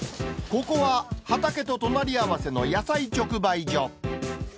ここは畑と隣り合わせの野菜直売所。